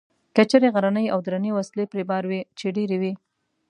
کچرې غرنۍ او درنې وسلې پرې بار وې، چې ډېرې وې.